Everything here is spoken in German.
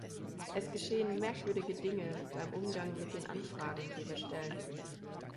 Es geschehen merkwürdige Dinge beim Umgang mit den Anfragen, die wir stellen.